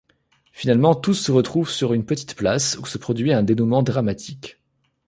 Finalement tous se retrouvent sur une petite place où se produit un dénouement dramatique.